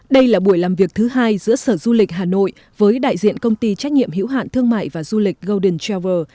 đây là buổi làm việc thứ hai giữa sở du lịch hà nội với đại diện công ty trách nhiệm hiểu hạn thương mại và du lịch golden travel